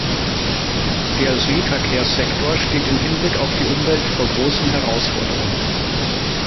Der Seeverkehrssektor steht im Hinblick auf die Umwelt vor großen Herausforderungen.